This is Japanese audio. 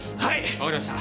わかりました。